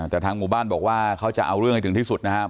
แต่ทางหมู่บ้านบอกว่าเขาจะเอาเรื่องให้ถึงที่สุดนะครับ